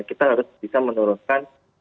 kita harus bisa menurunkan